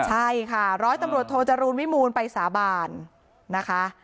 ใช่ค่ะร้อยตำรวจโทจรูลวิมูลไปสาบานนะคะ